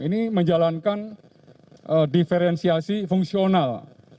ini menjalankan diferensiasi fungsional